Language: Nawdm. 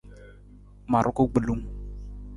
Ma ruku gbilung.